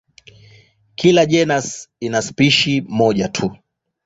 Kila jenasi ina spishi moja tu.